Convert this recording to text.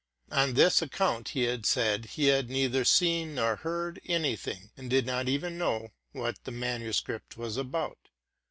On this account, he said, he had neither seen nor heard any thing, and did not even know what the manuscript was about.